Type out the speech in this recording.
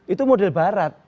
itu model barat